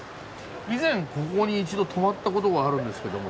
以前ここに一度泊まったことがあるんですけどもこの町に。